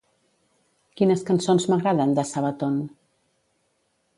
Quines cançons m'agraden de Sabaton?